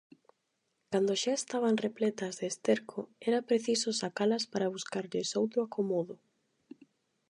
Cando xa estaban repletas de esterco era preciso sacalas para buscarlles outro acomodo.